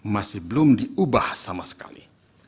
masih belum diubah sama sekali